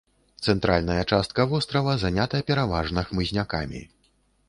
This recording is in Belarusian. Цэнтральная частка вострава занята пераважна хмызнякамі.